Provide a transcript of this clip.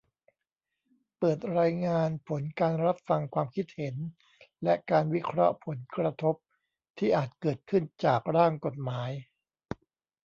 เปิดรายงานผลการรับฟังความคิดเห็น และการวิเคราะห์ผลกระทบที่อาจเกิดขึ้นจากร่างกฎหมาย